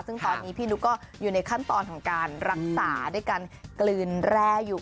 ซึ่งตอนนี้พี่นุ๊กก็อยู่ในขั้นตอนของการรักษาด้วยการกลืนแร่อยู่